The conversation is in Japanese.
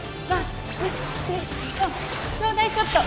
あっ！